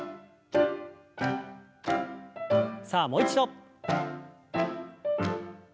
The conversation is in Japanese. さあもう一度。